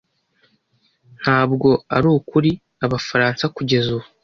Ntabwo ari ukuri Abafaransa kugeza ubu